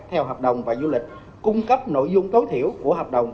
theo hợp đồng và du lịch cung cấp nội dung tối thiểu của hợp đồng